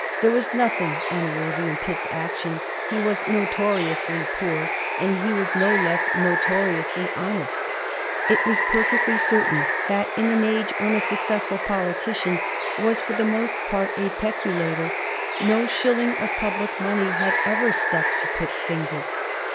There was nothing unworthy in Pitt's action. He was notoriously poor; he was no less notoriously honest; it was perfectly certain that, in an age when a successful politician was for the most part a peculator, no shilling of public money had ever stuck to Pitt's fingers.